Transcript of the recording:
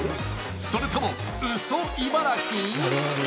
それともウソ茨城？